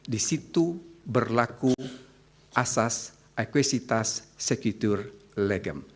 disitu berlaku asas aequisitas secitur legem